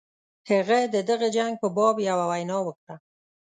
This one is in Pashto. هغه د دغه جنګ په باب یوه وینا وکړه.